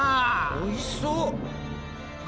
おいしそう！